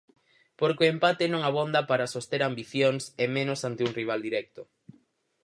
Porque o empate non abonda para soster ambicións e menos ante un rival directo.